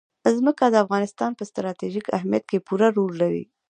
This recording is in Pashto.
ځمکه د افغانستان په ستراتیژیک اهمیت کې پوره رول لري.